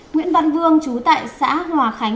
nguyễn văn vương chú tại xã hòa khánh